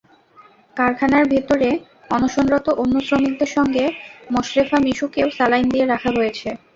কারখানার ভেতরে অনশনরত অন্য শ্রমিকদের সঙ্গে মোশরেফা মিশুকেও স্যালাইন দিয়ে রাখা হয়েছে।